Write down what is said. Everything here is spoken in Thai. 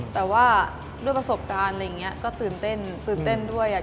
แต่ว่าด้วยประสบการณ์อะไรอย่างนี้ก็ตื่นเต้นตื่นเต้นด้วย